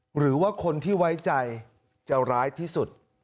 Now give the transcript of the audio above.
หรือว่าคนที่ไว้ใจจะร้ายที่สุด